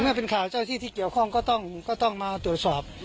เมื่อเป็นข่าวอาจจะที่เกี่ยวข้องก็ต้องมาตรวจสอบ